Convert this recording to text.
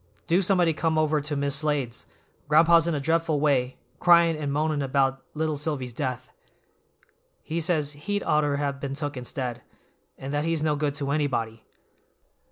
"Do somebody come over to Mis' Slade's; gran'pa's in a dreadful way, cryin' and moanin' about little Silvy's death. He says he'd oughter have been took instead, and that he's no good to anybody.